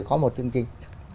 có một chương trình